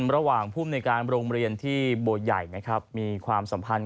ระหว่างภูมิในการโรงเรียนที่โบยัยมีความสัมพันธ์